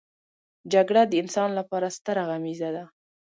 جګړه د انسان لپاره ستره غميزه ده